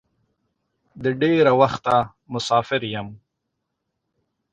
د ډېره وخته مسافر یم.